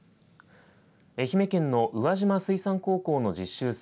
愛媛県の宇和島水産高校の実習船